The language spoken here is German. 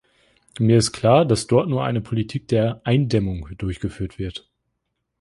Mir ist klar, dass dort nur eine Politik der "Eindämmung" durchgeführt wird.